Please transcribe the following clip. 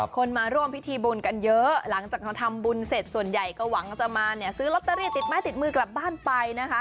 คนมาร่วมพิธีบุญกันเยอะหลังจากเขาทำบุญเสร็จส่วนใหญ่ก็หวังจะมาเนี่ยซื้อลอตเตอรี่ติดไม้ติดมือกลับบ้านไปนะคะ